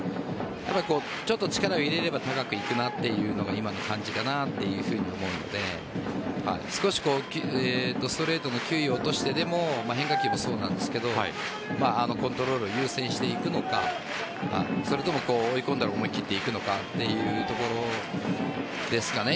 ちょっと力を入れれば高くいくなというのが今の感じかなと思うので少しストレートの球威を落としてでも変化球もそうですがコントロール優先していくのかそれとも追い込んだら思い切っていくのかというところですかね。